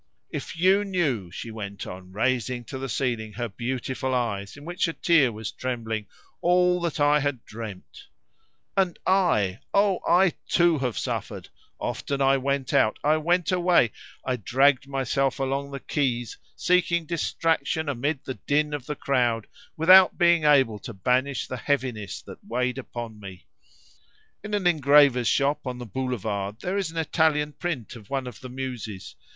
"If you knew," she went on, raising to the ceiling her beautiful eyes, in which a tear was trembling, "all that I had dreamed!" "And I! Oh, I too have suffered! Often I went out; I went away. I dragged myself along the quays, seeking distraction amid the din of the crowd without being able to banish the heaviness that weighed upon me. In an engraver's shop on the boulevard there is an Italian print of one of the Muses.